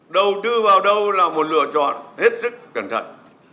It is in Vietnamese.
đầu tư vào đâu là một lựa chọn hết sức cẩn thận